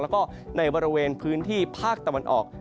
แล้วก็ในบริเวณพื้นที่ภาคตะวันออก